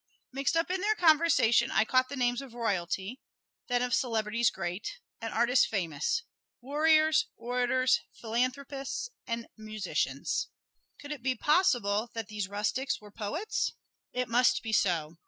Mixed up in their conversation I caught the names of royalty, then of celebrities great, and artists famous warriors, orators, philanthropists and musicians. Could it be possible that these rustics were poets? It must be so.